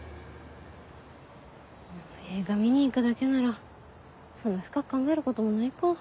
まぁ映画見に行くだけならそんな深く考えることもないか。